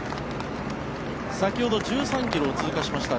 先ほど１３ｋｍを通過しました。